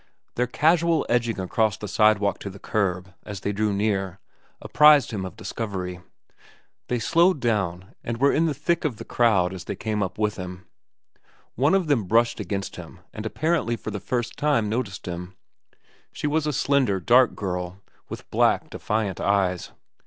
Their casual edging across the sidewalk to the curb, as they drew near, apprised him of discovery. They slowed down, and were in the thick of the crowd as they came up with him. One of them brushed against him and apparently for the first time noticed him. She was a slender, dark girl, with black, defiant eyes.